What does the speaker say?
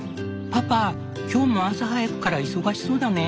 パパ今日も朝早くから忙しそうだね。